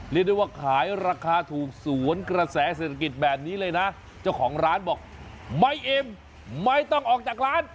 เรียกได้ว่าขายราคาถูกสวนกระแสเศรษฐกิจแบบนี้เลยนะเจ้าของร้านบอกไม่อิ่มไม่ต้องออกจากร้าน